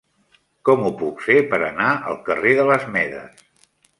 Com ho puc fer per anar al carrer de les Medes?